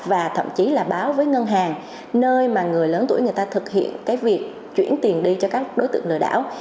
và thậm chí là báo với ngân hàng nơi mà người lớn tuổi người ta thực hiện cái việc chuyển tiền đi cho các đối tượng lừa đảo